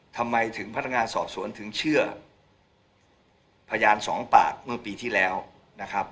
ทำไมถึงพนักงานสอบสวนถึงเชื่อพยานสองปากเมื่อปีที่แล้วนะครับ